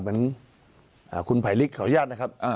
เหมือนคุณภัยลิกขออนุญาตนะครับ